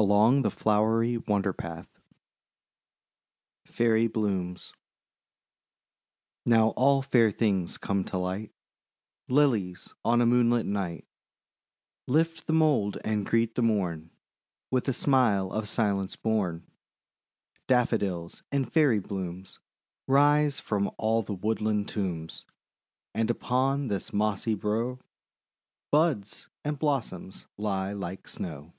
ALONG THE FLOWERY WONDER PATH FAIRY BLOOMS Now all fair things come to light: Lilies on a moonlit night Lift tlie mould and greet the Morn With a smile of Silence born; Daffodils, and Fairy Blooms Rise from all the woodland tombs, And upon the mossy bough Buds and blossoms lie like snow.